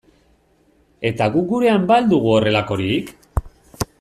Eta guk gurean ba al dugu horrelakorik?